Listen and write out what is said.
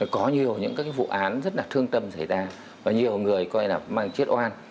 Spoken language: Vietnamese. có nhiều những các vụ án rất là thương tâm xảy ra và nhiều người coi là mang chết oan